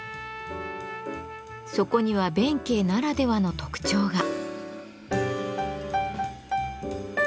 そこには弁慶ならではの特徴が。